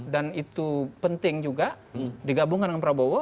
dan itu penting juga digabungkan dengan prabowo